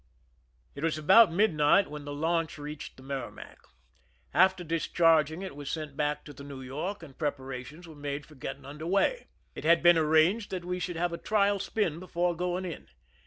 It was about midnight when the launch reached the Merrimac. After discharging, it was sent back to the New York, and preparations were made for getting und<3r way. It had been arranged that we should have a trial spin before going in.